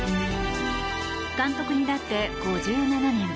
監督になって５７年。